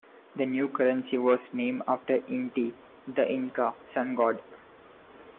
The new currency was named after Inti, the Inca sun god.